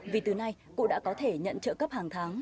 vì từ nay cụ đã có thể nhận trợ cấp hàng tháng